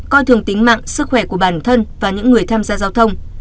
coi thường tính mạng sức khỏe của bản thân và những người tham gia giao thông